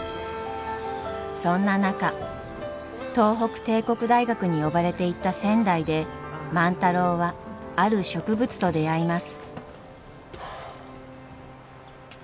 そんな中東北帝国大学に呼ばれて行った仙台で万太郎はある植物と出会います。